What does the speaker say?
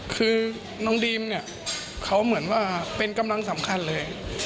คือน้องดีมเนี่ยเขาเหมือนว่าเป็นกำลังสำคัญเลย